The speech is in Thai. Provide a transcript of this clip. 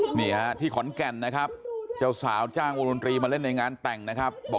นี่ฮะที่ขอนแก่นนะครับเจ้าสาวจ้างวงดนตรีมาเล่นในงานแต่งนะครับบอก